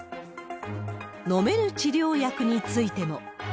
飲める治療薬についても。